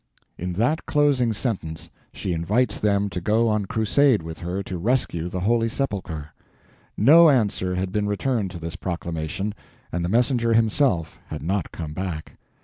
In that closing sentence she invites them to go on crusade with her to rescue the Holy Sepulcher. No answer had been returned to this proclamation, and the messenger himself had not come back.